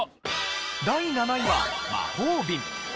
第７位は魔法瓶。